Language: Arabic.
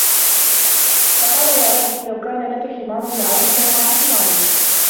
فَقَالَ يَا رَبِّ لَوْ كَانَ لَك حِمَارٌ لَعَلَفْته مَعَ حِمَارِي